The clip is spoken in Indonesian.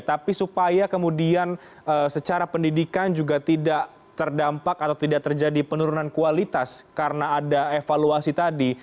tapi supaya kemudian secara pendidikan juga tidak terdampak atau tidak terjadi penurunan kualitas karena ada evaluasi tadi